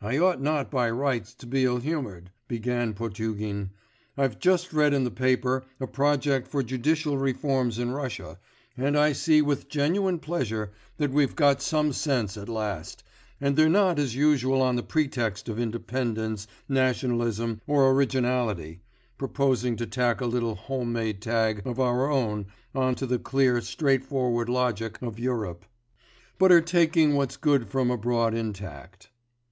'I ought not by rights to be ill humoured,' began Potugin. 'I've just read in the paper a project for judicial reforms in Russia, and I see with genuine pleasure that we've got some sense at last, and they're not as usual on the pretext of independence, nationalism, or originality, proposing to tack a little home made tag of our own on to the clear straightforward logic of Europe; but are taking what's good from abroad intact.